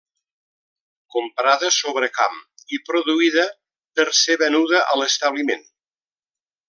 Comprada sobre camp i produïda per ser venuda a l'establiment.